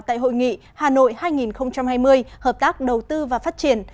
tại hội nghị hà nội hai nghìn hai mươi hợp tác đầu tư và phát triển